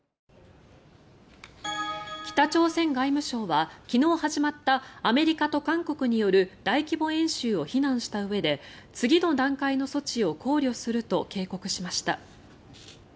北朝鮮外務省は昨日始まったアメリカと韓国による大規模演習を非難したうえで次の段階の措置を考慮すると警告しました。